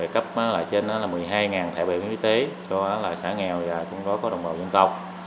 cấp trên một mươi hai thẻ bệnh y tế cho xã nghèo và đồng bào dân tộc